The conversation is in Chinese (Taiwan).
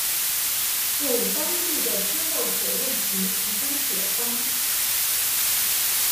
為當地的缺漏水問題提供解方